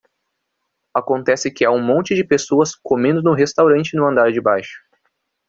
Acontece que há um monte de pessoas comendo no restaurante no andar de baixo.